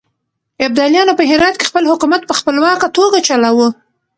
ابداليانو په هرات کې خپل حکومت په خپلواکه توګه چلاوه.